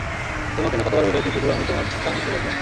তোমাকে না কতবার বলেছি শুধু আমি তোমার ডানদিকে বসব?